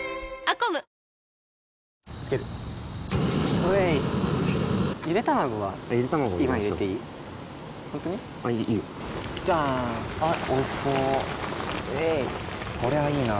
これはいいなぁ・・・